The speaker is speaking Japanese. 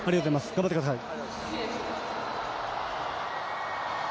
頑張ってください。